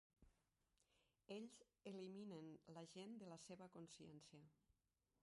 Ells "eliminen" la gent de la seva consciència.